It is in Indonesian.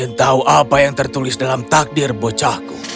aku ingin tahu apa yang tertulis dalam takdir bocahku